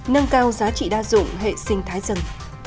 nâng cao giá trị đa dụng hệ sinh thái rừng